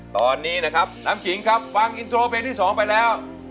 ตอนนี้นะครับน้ำจิ๋งครับฟังอินโทรเพลงที่๒ไปแล้ว